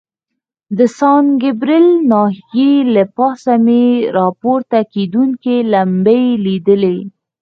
د سان ګبریل ناحیې له پاسه مې را پورته کېدونکي لمبې لیدلې.